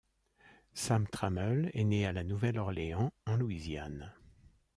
Sam Trammell est né à La Nouvelle-Orléans en Louisiane.